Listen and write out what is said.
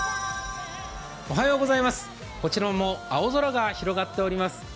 こちらも青空が広がっております。